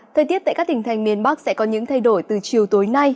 thời tiết tại các tỉnh thành miền bắc sẽ có những thay đổi từ chiều tối nay